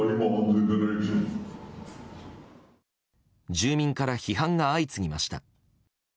住民から批判が相次ぎました。